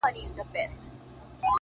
هغه به څرنګه بلا وویني ـ